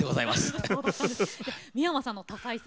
三山さんの多才さ